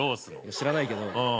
知らないけど。